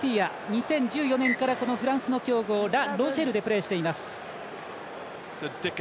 ２０１４年からフランスの強豪でプレーしています。